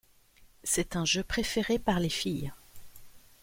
C’est un jeu préféré par les filles.